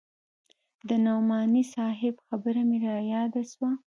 د نعماني صاحب خبره مې راياده سوه.